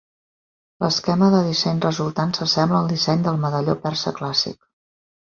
L'esquema de disseny resultant s'assembla al disseny del medalló persa clàssic.